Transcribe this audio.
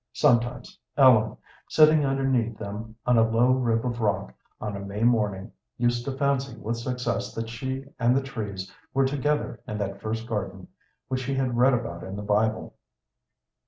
Sometimes Ellen, sitting underneath them on a low rib of rock on a May morning, used to fancy with success that she and the trees were together in that first garden which she had read about in the Bible.